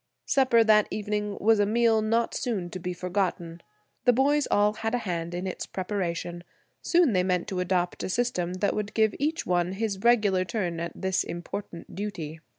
Supper that evening was a meal not soon to be forgotten. The boys all had a hand in its preparation. Soon they meant to adopt a system that would give each one his regular turn at this important duty.